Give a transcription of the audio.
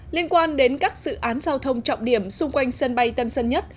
liên quan đến các dự án giao thông trọng điểm xung quanh sân bay tân sơn nhất